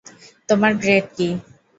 তোমার গ্রেড কী?